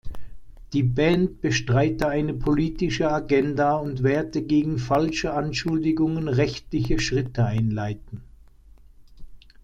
Die Band bestreite eine politische Agenda und werde gegen falsche Anschuldigungen rechtliche Schritte einleiten.